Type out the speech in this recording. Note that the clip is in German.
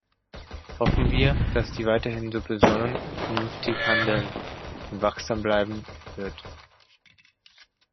Hoffen wir, dass sie weiterhin so besonnen und vernünftig handeln und wachsam bleiben wird.